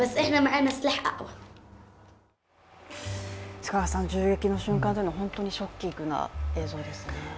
須賀川さん、銃撃の瞬間というのは本当にショッキングな映像ですね。